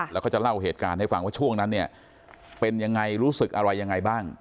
แล้วก็จะเล่าเหตุการณ์ให้ฟังว่าช่วงนั้นเนี่ยเป็นยังไงรู้สึกอะไรยังไงบ้าง